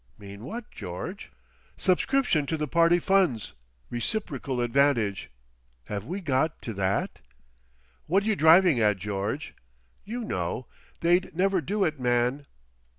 "Mean what, George?" "Subscription to the party funds. Reciprocal advantage. Have we got to that?" "Whad you driving at, George?" "You know. They'd never do it, man!"